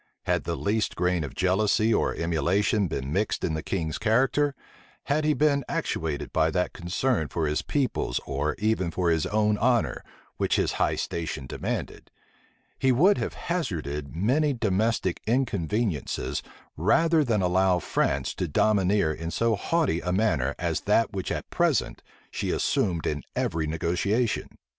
Had the least grain of jealousy or emulation been mixed in the king's character; had he been actuated by that concern for his people's or even for his own honor, which his high station demanded; he would have hazarded many domestic inconveniencies rather than allow France to domineer in so haughty a manner as that which at present she assumed in every negotiation.